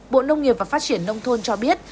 bộ nông nghiệp và phát triển nông thôn cho biết